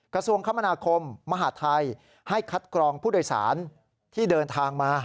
กระทรวงคมนาคมมหาทัยให้คัดกรองผู้โดยสารที่เดินทางมา